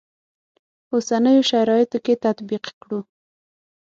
اوسنیو شرایطو کې تطبیق کړو.